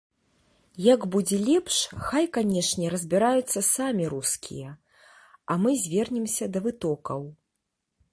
Як будзе лепш, хай, канешне, разбіраюцца самі рускія, а мы звернемся да вытокаў.